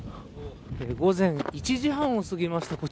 午前１時半を過ぎました。